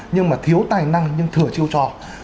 nhưng mà thiếu tài năng nhưng thừa chiêu trò